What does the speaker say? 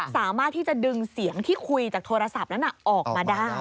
สามารถที่จะดึงเสียงที่คุยจากโทรศัพท์นั้นออกมาได้